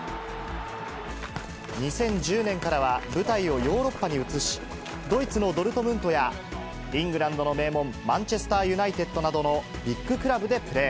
２０１０年からは舞台をヨーロッパに移し、ドイツのドルトムントや、イングランドの名門、マンチェスター・ユナイテッドなどのビッグクラブでプレー。